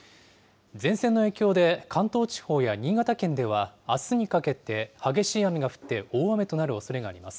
前線の影響で、関東地方や新潟県では、あすにかけて激しい雨が降って大雨となるおそれがあります。